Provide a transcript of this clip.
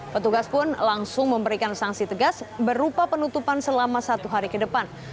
petugas pun langsung memberikan sanksi tegas berupa penutupan selama satu hari ke depan